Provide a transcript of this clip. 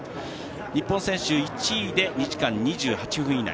日本選手、１位で２時間２８分以内。